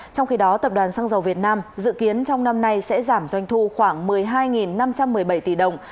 trong khi đó tập đoàn xăng dầu việt nam dự kiến trong năm nay sẽ giảm doanh thu khoảng một mươi hai năm trăm một mươi bảy tỷ đồng